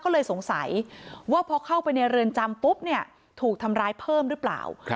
ก็เลยสงสัยว่าพอเข้าไปในเรือนจำปุ๊บเนี่ยถูกทำร้ายเพิ่มหรือเปล่า